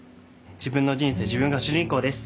自分の人生自分が主人公です。